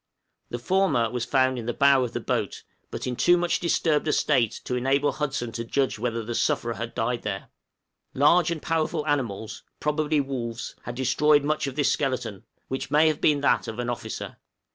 The former was found in the bow of the boat, but in too much disturbed a state to enable Hobson to judge whether the sufferer had died there; large and powerful animals, probably wolves, had destroyed much of this skeleton, which may have been that of an officer.